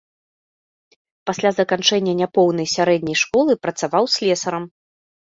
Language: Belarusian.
Пасля заканчэння няпоўнай сярэдняй школы працаваў слесарам.